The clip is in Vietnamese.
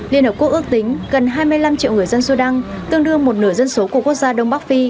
liên hợp quốc ước tính gần hai mươi năm triệu người dân sudan tương đương một nửa dân số của quốc gia đông bắc phi